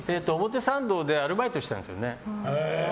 表参道でアルバイトしてたんですよね。